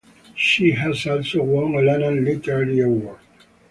She has also won a Lannan Literary Award.